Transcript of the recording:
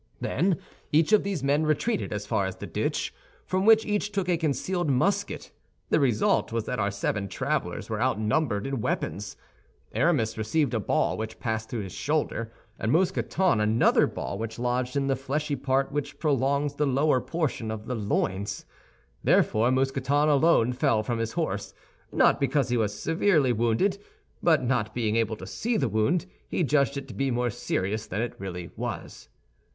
Then each of these men retreated as far as the ditch, from which each took a concealed musket; the result was that our seven travelers were outnumbered in weapons. Aramis received a ball which passed through his shoulder, and Mousqueton another ball which lodged in the fleshy part which prolongs the lower portion of the loins. Therefore Mousqueton alone fell from his horse, not because he was severely wounded, but not being able to see the wound, he judged it to be more serious than it really was.